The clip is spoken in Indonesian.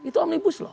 itu om ibu slow